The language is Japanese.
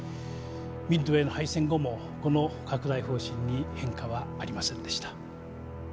ミッドウェーの敗戦後もこの拡大方針に変化はありませんでした。